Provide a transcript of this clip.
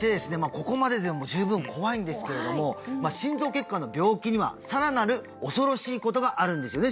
ここまででも十分怖いんですけれども心臓血管の病気にはさらなる恐ろしいことがあるんですよね？